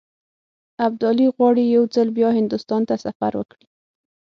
ابدالي غواړي یو ځل بیا هندوستان ته سفر وکړي.